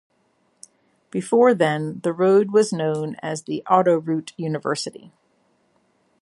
Before then, the road was known as the Autoroute University.